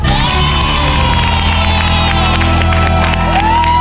ถูกครับ